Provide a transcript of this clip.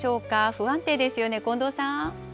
不安定ですよね、近藤さん。